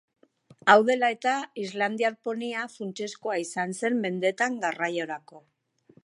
Hau dela eta, islandiar ponia funtsezkoa izan zen mendetan garraiorako.